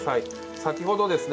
先ほどですね